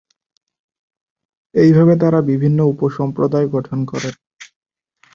এইভাবে তাঁরা বিভিন্ন উপ-সম্প্রদায় গঠন করেন।